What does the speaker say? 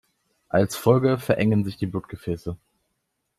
Als Folge verengen sich die Blutgefäße.